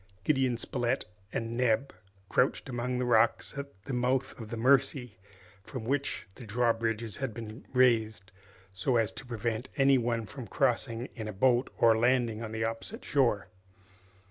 Gideon Spilett and Neb crouched among the rocks at the mouth of the Mercy, from which the drawbridges had been raised, so as to prevent any one from crossing in a boat or landing on the opposite shore.